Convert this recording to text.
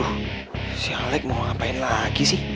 tuh si alec mau ngapain lagi sih